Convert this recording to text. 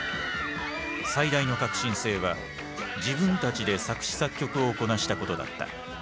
最大の革新性は自分たちで作詞作曲をこなしたことだった。